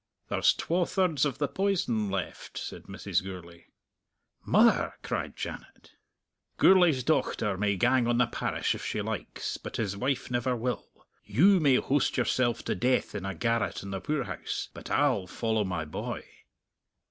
"There's twa thirds of the poison left," said Mrs. Gourlay. "Mother!" cried Janet. "Gourlay's dochter may gang on the parish if she likes, but his wife never will. You may hoast yourself to death in a garret in the poorhouse, but I'll follow my boy."